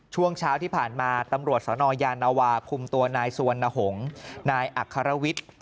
ช่วงเช้าที่ผ่านมาตำรวจสนยานวาคุมตัวนายสุวรรณหงษ์นายอัครวิทย์